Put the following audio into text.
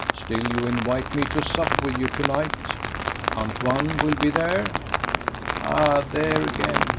"Still, you invite me to sup with you to night. Antoine will be there?" "Ah! there again.